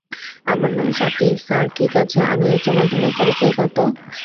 আমার নাম স্বাতী, স্যার - ঠিক আছে আমি উচ্চ মাধ্যমিক পরীক্ষায় কত?